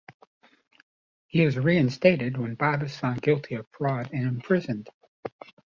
He is re-instated when Bob is found guilty of fraud and imprisoned.